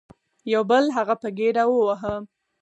یو بل هغه په ګیډه وواهه.